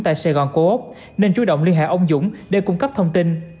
tại sài gòn cố úc nên chú động liên hệ ông dũng để cung cấp thông tin